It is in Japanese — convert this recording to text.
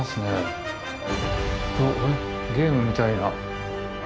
ゲームみたいな。